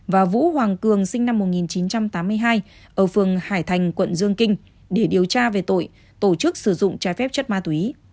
và vũ hoàng cường sinh năm một nghìn chín trăm tám mươi hai ở phường hải thành quận dương kinh để điều tra về tội tổ chức sử dụng trái phép chất ma túy